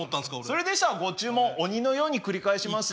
それでしたらご注文鬼のように繰り返します。